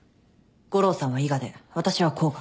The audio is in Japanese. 悟郎さんは伊賀で私は甲賀。